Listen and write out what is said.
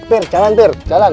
pir jalan pir jalan